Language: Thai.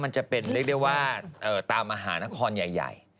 มันจะเป็นเรียกได้ว่าตามมหานครใหญ่